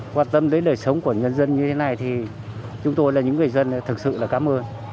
quan tâm đến đời sống của nhân dân như thế này thì chúng tôi là những người dân thực sự là cảm ơn